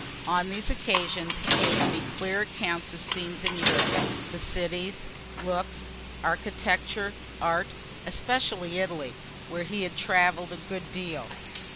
On these occasions he gave me clear accounts of scenes in Europe the cities, looks, architecture, art, especially Italy where he had travel'd a good deal.